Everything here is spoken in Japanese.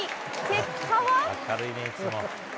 結果は？